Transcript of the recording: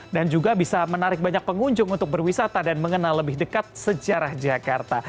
dan juga bisa menarik banyak pengunjung untuk berwisata dan mengenal lebih dekat sejarah jakarta